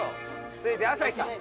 続いて朝日さん。